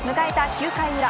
９回裏。